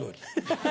ハハハ！